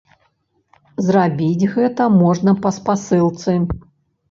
Зрабіць гэта можна па спасылцы.